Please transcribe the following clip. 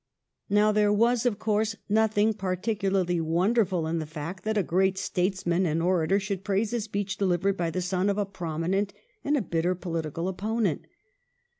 Now there was, of course, nothing particularly wonderful in the fact that a great statesman and orator should praise a speech delivered by the son of a prominent and a bitter political opponent.